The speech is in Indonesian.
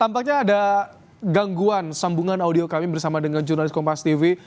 tampaknya ada gangguan sambungan audio kami bersama dengan jurnalis kompas tv